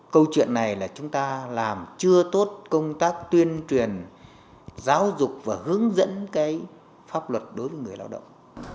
câu chuyện này là chúng ta làm chưa tốt công tác tuyên truyền giáo dục và hướng dẫn cái pháp luật đối với người lao động